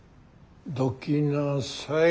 どきなさい。